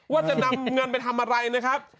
ว่าจะนำเงินไปทำอะไรนะครับ